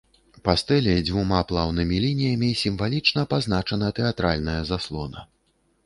Па стэле дзвюма плаўнымі лініямі сімвалічна пазначана тэатральная заслона.